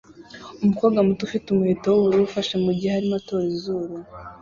Umukobwa muto ufite umuheto wubururu ufashe mugihe arimo atora izuru